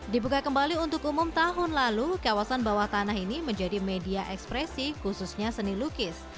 dibuka kembali untuk umum tahun lalu kawasan bawah tanah ini menjadi media ekspresi khususnya seni lukis